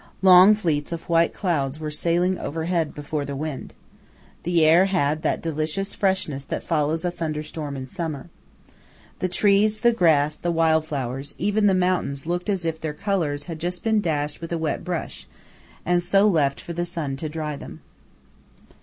Long fleets of white clouds were sailing overhead before the wind. The air had that delicious freshness that follows a thunderstorm in summer. The trees, the grass, the wild flowers, even the mountains, looked as if their colours had just been dashed in with a wet brush, and so left for the sun to dry them.